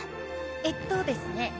えっとですね